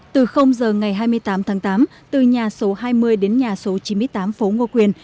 từ giờ ngày hai mươi tám tháng tám từ nhà số hai mươi đến nhà số chín mươi tám phố ngô quyền